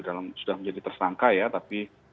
dalam sudah menjadi tersangka ya tapi